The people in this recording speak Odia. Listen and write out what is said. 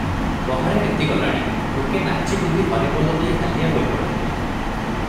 ପହରେ ବିତି ଗଲାଣି, ଲୋକେ ନାଚି କୁଦି ହରିବୋଲ ଦେଇ ହାଲିଆ ହୋଇ ପଡିଲେଣି ।